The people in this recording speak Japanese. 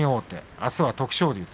あすは徳勝龍と。